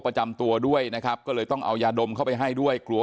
ประจำตัวด้วยนะครับก็เลยต้องเอายาดมเข้าไปให้ด้วยกลัว